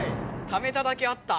ためただけあった。